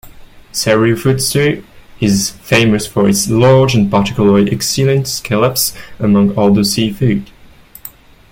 Sarufutsu is famous for its large and particularly excellent scallops, among other seafood.